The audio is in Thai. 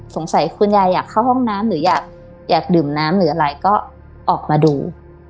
คุณยายอยากเข้าห้องน้ำหรืออยากดื่มน้ำหรืออะไรก็ออกมาดู